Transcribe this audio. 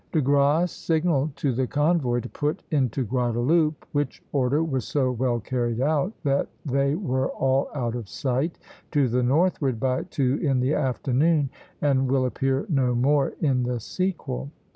De Grasse signalled to the convoy to put into Guadeloupe, which order was so well carried out that they were all out of sight to the northward by two in the afternoon, and will appear no more in the sequel.